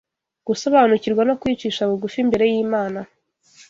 gusobanukirwa no kwicisha bugufi imbere y’Imana